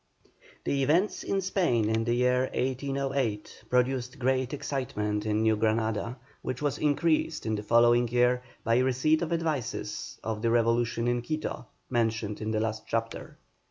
The events in Spain in the year 1808 produced great excitement in New Granada, which was increased in the following year by receipt of advices of the revolution in Quito, mentioned in the last chapter.